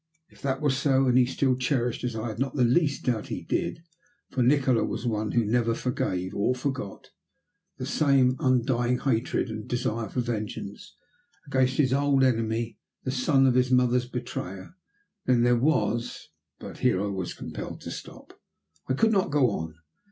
If that were so, and he still cherished, as I had not the least doubt he did for Nikola was one who never forgave or forgot, the same undying hatred and desire for vengeance against his old enemy, the son of his mother's betrayer, then there was but here I was compelled to stop. I could not go on.